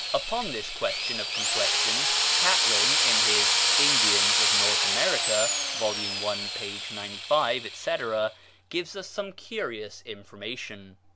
Upon this question of complexion Catlin, in his "Indians of North America," vol. i., p. 95, etc., gives us some curious information.